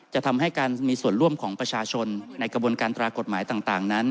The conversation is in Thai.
จะทำให้การมีส่วนร่วมของประชาชนในกระบวนการตรากฎหมายต่างนั้น